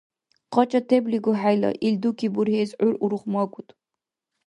Къача теблигу хӀела, ил дуки бурхьес гӀур урухмакӀуд.